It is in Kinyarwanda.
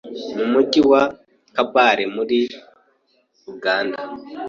mu mujyi wa Kabale mu ri uganda